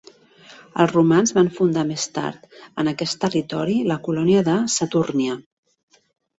Els romans van fundar més tard en aquest territori la colònia de Satúrnia.